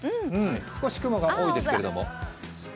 少し雲が多いですけれども。